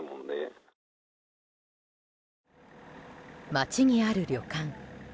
町にある旅館。